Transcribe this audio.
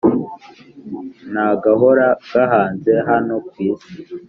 Nta gahora gahanze hano kwisi